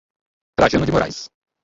Trajano de Moraes